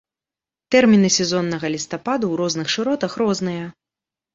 Тэрміны сезоннага лістападу ў розных шыротах розныя.